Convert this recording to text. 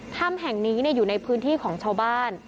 ถ้ำแห่งนี้อยู่ในพื้นที่ของชาวบ้าน